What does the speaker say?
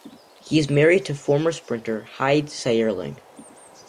He is married to former sprinter Heide Seyerling.